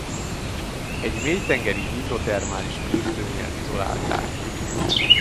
Egy mélytengeri hidrotermális kürtőnél izolálták.